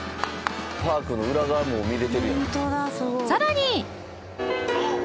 さらに